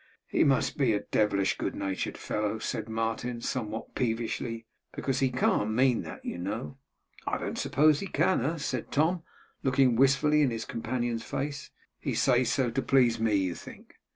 'He must be a devilish good natured fellow,' said Martin, somewhat peevishly: 'because he can't mean that, you know.' 'I don't suppose he can, eh?' said Tom, looking wistfully in his companion's face. 'He says so to please me, you think?